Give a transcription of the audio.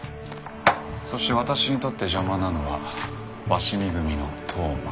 そして私にとって邪魔なのは鷲見組の当麻。